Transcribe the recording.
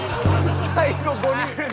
最後５人。